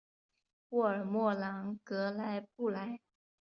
沃尔默朗格莱布莱。